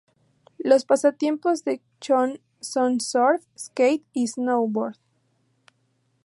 Los pasatiempos de Chon son surf, skate y snowboard.